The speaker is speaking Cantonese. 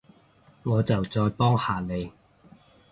我就再幫下你